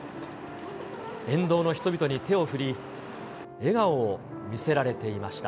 沿道の人々に手を振り、笑顔を見せられていました。